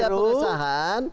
kalau ada pengesahan